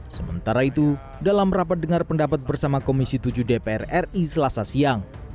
sementara itu dalam rapat dengar pendapat bersama komisi tujuh dpr ri selasa siang